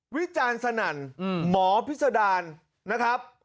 วิจารณ์สนั่นหมอพิษดารนะครับ